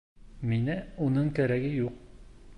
Миңә уның кәрәге юҡ.